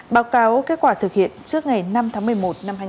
báo cáo kết quả thực hiện trước ngày năm tháng một mươi một năm hai nghìn hai mươi